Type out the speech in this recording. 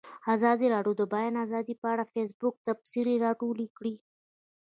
ازادي راډیو د د بیان آزادي په اړه د فیسبوک تبصرې راټولې کړي.